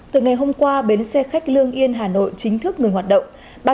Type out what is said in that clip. từ ngày hôm qua bến xe khách lương yên hà nội chính thức ngừng hoạt động